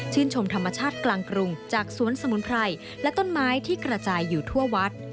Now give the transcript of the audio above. ชมธรรมชาติกลางกรุงจากสวนสมุนไพรและต้นไม้ที่กระจายอยู่ทั่ววัด